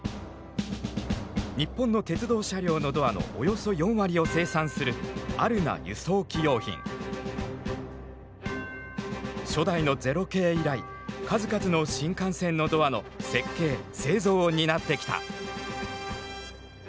日本の鉄道車両のドアのおよそ４割を生産する初代の０系以来数々の新幹線のドアの設計・製造を担ってきた。